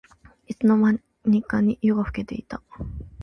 いつの間にか夜が更けていた